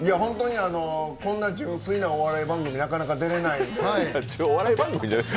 こんだけ純粋なお笑い番組になかなか出られないので。